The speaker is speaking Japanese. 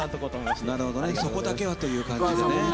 そこだけはという感じで。